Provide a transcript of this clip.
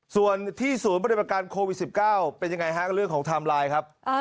ส่วนที่ศูนย์ปฏิบัติการโควิด๑๙เป็นยังไงฮะเรื่องของไทม์ไลน์ครับ